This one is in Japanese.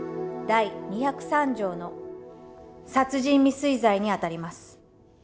第２０３条の殺人未遂罪にあたります。